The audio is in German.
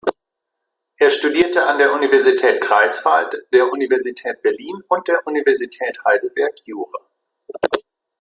Er studierte an der Universität Greifswald, der Universität Berlin und der Universität Heidelberg Jura.